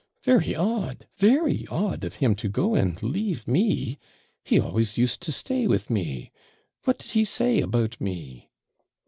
'Very odd! very odd of him to go and leave me! he always used to stay with me what did he say about me?'